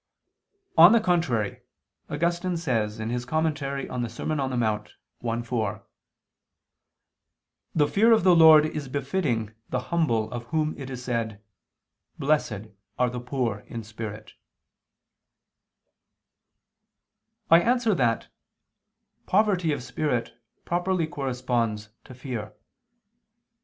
On the contrary, Augustine says (De Serm. Dom. in Monte i, 4): "The fear of the Lord is befitting the humble of whom it is said: Blessed are the poor in spirit." I answer that, Poverty of spirit properly corresponds to fear.